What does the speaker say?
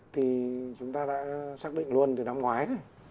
thì chúng ta đã xác định luôn từ năm ngoái